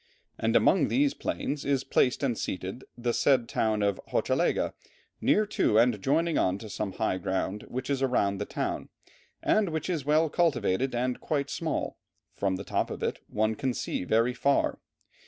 And among these plains is placed and seated the said town of Hochelaga near to and joining on to some high ground which is around the town; and which is well cultivated and quite small; from the top of it one can see very far.